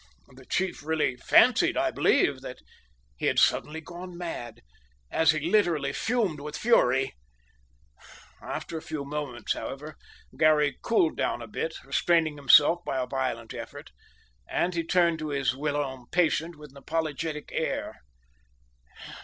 The chief really fancied, I believe, that he had suddenly gone mad, as he literally fumed with fury. After a few moments, however, Garry cooled down a bit, restraining himself by a violent effort, and he turned to his whilom patient with an apologetic air.